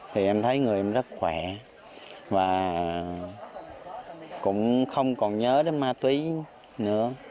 thì em thấy người em rất khỏe và cũng không còn nhớ đến ma túy nữa